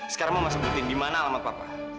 sekarang mama sebutin di mana alamat papa